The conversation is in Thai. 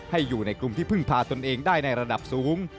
อยู่ในกลุ่มที่พึ่งพาตนเองได้ในระดับสูง